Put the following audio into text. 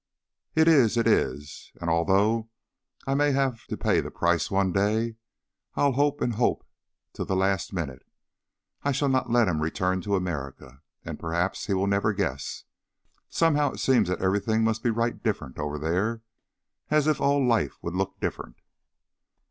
"It is; it is. And although I may have to pay the price one day, I'll hope and hope till the last minute. I shall not let him return to America, and perhaps he will never guess. Somehow it seems as if everything must be right different over there, as if all life would look different."